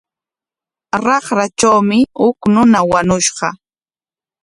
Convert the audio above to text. Raqratrawmi huk runa wañushqa.